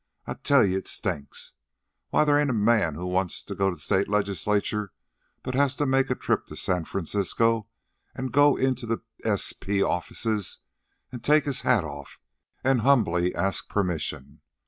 I tell you it stinks. Why, there ain't a man who wants to go to state legislature but has to make a trip to San Francisco, an' go into the S. P. offices, an' take his hat off, an' humbly ask permission.